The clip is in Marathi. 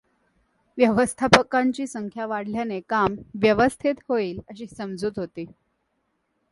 व्यवस्थापकांची संख्या वाढल्याने काम ‘व्यवस्थित ' होईल अशी समजूत होती.